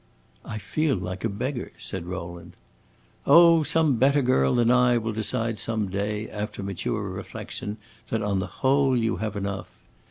"I feel like a beggar," said Rowland. "Oh, some better girl than I will decide some day, after mature reflection, that on the whole you have enough.